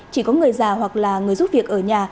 chỉ có người già hoặc là người giúp việc ở nhà